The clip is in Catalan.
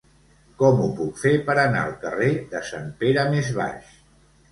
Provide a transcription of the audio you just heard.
Com ho puc fer per anar al carrer de Sant Pere Més Baix?